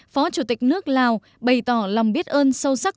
phó chủ tịch nước lào bày tỏ lòng biết ơn sâu sắc